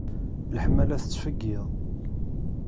Leḥmala tettfeggiḍ.